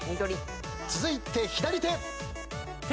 続いて左手。